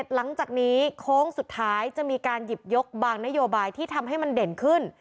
หลังจากนี้โค้งสุดท้ายจะมีการหยิบยกบางนโยบายที่ทำให้มันเด่นขึ้น